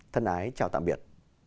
thân ái chào tạm biệt